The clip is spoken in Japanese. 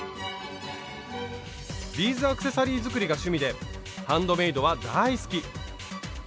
ビーズアクセサリー作りが趣味でハンドメイドは大好き！